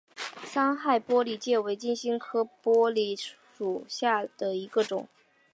三害玻璃介为金星介科玻璃介属下的一个种。